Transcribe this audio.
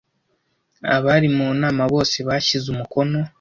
Abari mu nama bose bashyize umukono